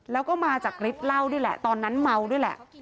แล้วก็มาจากฤทธิ์เหล้านี่แหละตอนนั้นเมาด้วยแหละ